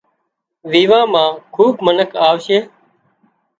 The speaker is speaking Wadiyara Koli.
ويوان مان کُوٻ منک آوي سي